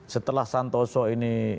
setelah santoso ini